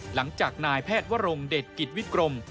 หลังจากนายแพทย์วรงเดชกิจวิกรม